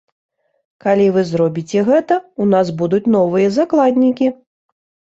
Калі вы зробіце гэта, у нас будуць новыя закладнікі.